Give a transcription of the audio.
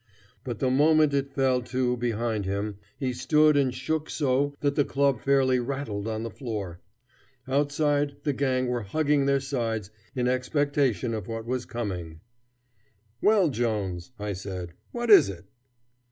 But the moment it fell to behind him, he stood and shook so that the club fairly rattled on the floor. Outside the gang were hugging their sides in expectation of what was coming. "Well, Jones," I said, "what is it?"